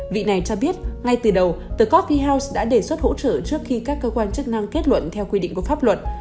vị này cho biết ngay từ đầu the coffee house đã đề xuất hỗ trợ trước khi các cơ quan chức năng kết luận theo quy định của pháp luận